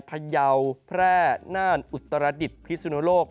พยาวแพร่นานอุตราฤทธิ์พิสุโนโลก